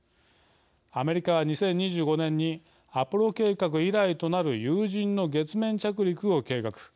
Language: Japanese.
アメリカは２０２５年にアポロ計画以来となる有人の月面着陸を計画。